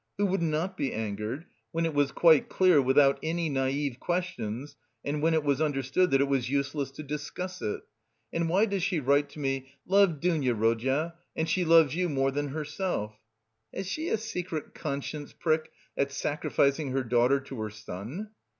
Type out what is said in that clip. Who would not be angered when it was quite clear without any naïve questions and when it was understood that it was useless to discuss it. And why does she write to me, 'love Dounia, Rodya, and she loves you more than herself'? Has she a secret conscience prick at sacrificing her daughter to her son?